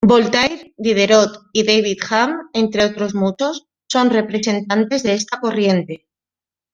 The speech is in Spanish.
Voltaire, Diderot y David Hume, entre muchos otros, son representantes de esta corriente.